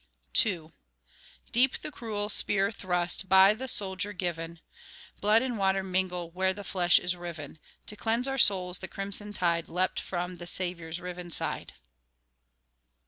II Deep the cruel spear thrust, By the soldier given; Blood and water mingle, Where the flesh is riven; To cleanse our souls the crimson tide Leapt from the Saviour's riven side.